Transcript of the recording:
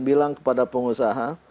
bilang kepada pengusaha